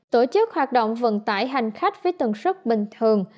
tổ chức hoạt động vận tải hành khách với tầng sức bình thường